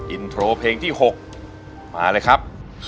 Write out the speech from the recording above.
อินโทรเพลงที่๖มาเลยครับ